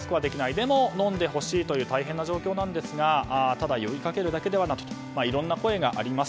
でも飲んでほしいという大変な状況なんですがただ呼びかけるだけではなくいろいろな声があります。